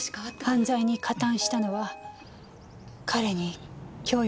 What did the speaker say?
犯罪に加担したのは彼に強要されて？